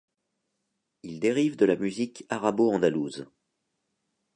Il dérive de la musique arabo-andalouse.